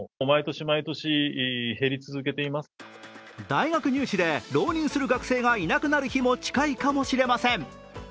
大学入試で、浪人する学生がいなくなる日も近いかもしれません。